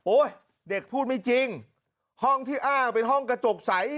เด็กพูดไม่จริงห้องที่อ้างเป็นห้องกระจกใส